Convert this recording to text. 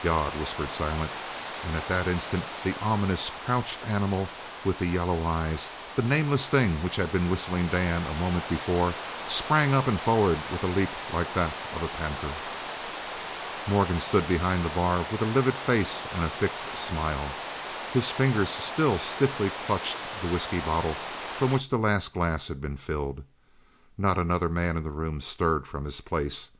"God!" whispered Silent, and at that instant the ominous crouched animal with the yellow eyes, the nameless thing which had been Whistling Dan a moment before, sprang up and forward with a leap like that of a panther. Morgan stood behind the bar with a livid face and a fixed smile. His fingers still stiffly clutched the whisky bottle from which the last glass had been filled. Not another man in the room stirred from his place.